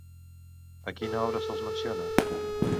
A quina obra se'ls menciona?